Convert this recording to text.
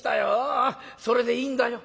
それでいいんだよ」。